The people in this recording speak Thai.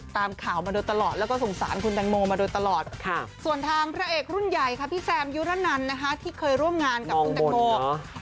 ทางพระเอกรุ่นใหญ่ค่ะพี่แซมยุรนันทร์ที่เคยร่วมงานกับคุณแต่โก